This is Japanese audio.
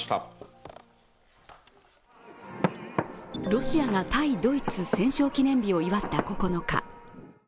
ロシアが対ドイツ戦勝記念日を祝った９日。